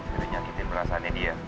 biasanya nyakitin perasaannya dia